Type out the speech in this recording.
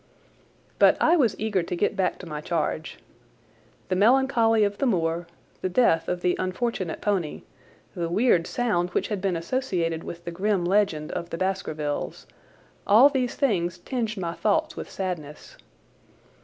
But I was eager to get back to my charge. The melancholy of the moor, the death of the unfortunate pony, the weird sound which had been associated with the grim legend of the Baskervilles, all these things tinged my thoughts with sadness.